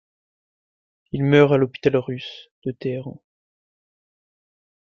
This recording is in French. Il meurt à l'hôpital russe de Téhéran.